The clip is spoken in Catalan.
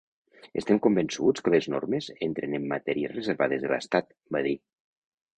Estem convençuts que les normes entren en matèries reservades de l’estat, va dir.